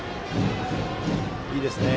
いいですね。